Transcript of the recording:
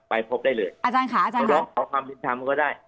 ไปพบได้เลยอาจารย์ค่ะอาจารย์ค่ะขอความพิษภาพก็ได้